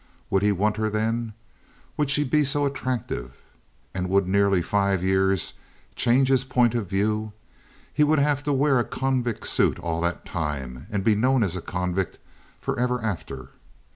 Would he want her then? Would she be so attractive? And would nearly five years change his point of view? He would have to wear a convict suit all that time, and be known as a convict forever after.